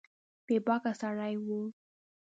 بې باکه سړی و